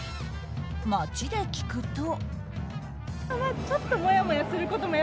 街で聞くと。